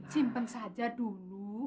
simpen saja dulu